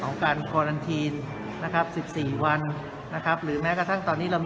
ของการคอลันทีนนะครับสิบสี่วันนะครับหรือแม้กระทั่งตอนนี้เรามี